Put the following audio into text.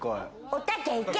おたけいけ！